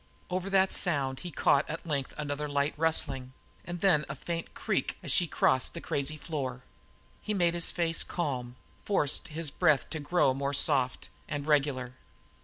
Over that sound he caught at length another light rustling, and then the faint creak as she crossed the crazy floor. He made his face calm forced his breath to grow more soft and regular.